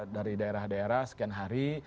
dari daerah daerah sekian hari